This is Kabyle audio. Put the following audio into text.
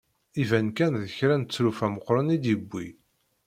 Iban kan d kra n tlufa meqqren i d-yiwi.